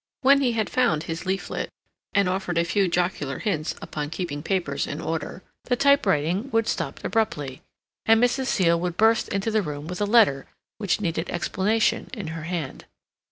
When he had found his leaflet, and offered a few jocular hints upon keeping papers in order, the typewriting would stop abruptly, and Mrs. Seal would burst into the room with a letter which needed explanation in her hand.